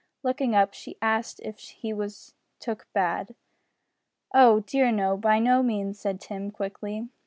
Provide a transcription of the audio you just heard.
Looking up, she asked if he was took bad. "Oh! dear no. By no means," said Tim, quickly.